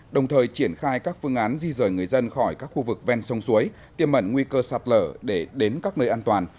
đồng thời triển khai các phương án di rời người dân khỏi các khu vực ven sông suối tiêm ẩn nguy cơ sạt lở để đến các nơi an toàn